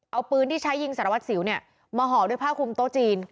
เอาปืนที่ใช้ยิงสารวัสสิวเนี่ยมาห่อด้วยผ้าคุมโต๊ะจีน